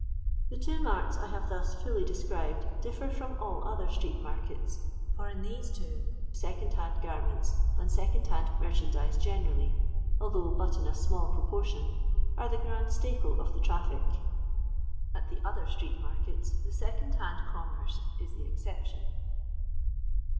The two maru I have thus fully described differ from all other street markets, for in these two | second hand garments, and second hand merchan dize generally (although but in a small proportion), are the grand staple of the traffic. At the other street markets^ the aecond hand commerce if the exception.